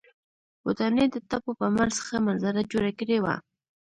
ودانۍ د تپو په منځ ښه منظره جوړه کړې وه.